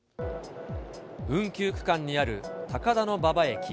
運休区間にある高田馬場駅。